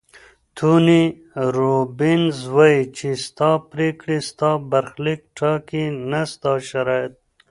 توني روبینز وایي چې ستا پریکړې ستا برخلیک ټاکي نه ستا شرایط.